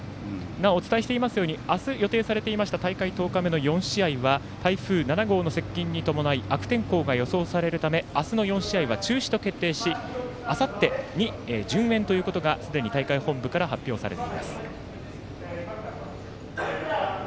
なおお伝えしていますように明日予定されていました大会１０日目の４試合は台風７号の接近に伴い悪天候が予想されるため明日の４試合は中止と決定しあさってに順延ということがすでに大会本部から発表されています。